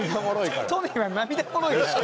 トミーは涙もろいから。